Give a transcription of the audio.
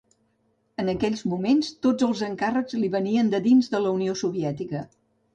En aquells moments, tots els encàrrecs li venien de dins de la Unió Soviètica.